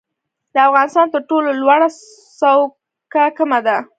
د افغانستان تر ټولو لوړه څوکه کومه ده؟